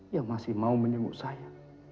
yang masih mau menyenguk saya